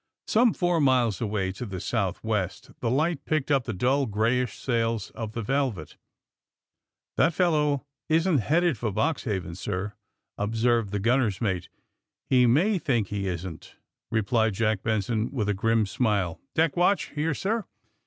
Some four miles away, to the southwest, the light picked up the dull, grayish sails of the '^Velvet." '^That fellow isn't headed for Boxhaven, sir/' observed the gunner's mate. *^He may think he isn't," replied Jack Ben son, with a grim smile. ^^Deck watch!" *^Here, sir!"